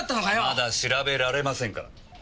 まだ調べられませんから。